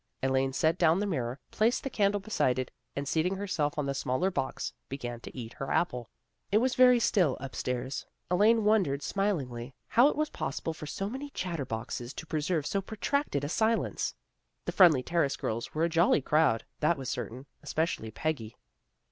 Elaine set down the mirror, placed the candle beside it, and, seating herself on the smaller box, began to eat her apple. It was very still upstairs. Elaine wondered smilingly how it was possible for so many chatterboxes to preserve so protracted a silence. The Friendly Terrace girls were a jolly crowd, that was certain, especially Peggy.